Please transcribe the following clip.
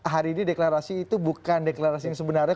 hari ini deklarasi itu bukan deklarasi yang sebenarnya